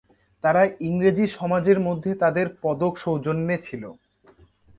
তারা ইংরেজি সমাজের মধ্যে তাদের পদক সৌজন্যে ছিল।